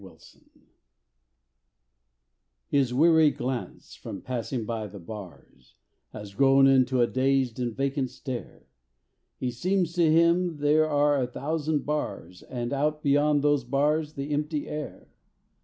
THE PANTHER His weary glance, from passing by the bars, Has grown into a dazed and vacant stare; It seems to him there are a thousand bars And out beyond those bars the empty air.